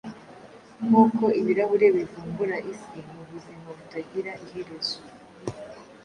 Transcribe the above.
Nkuko ibirahure bivumbura Isi Mubuzimu butagira iherezo,